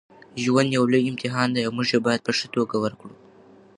ژوند یو لوی امتحان دی او موږ یې باید په ښه توګه ورکړو.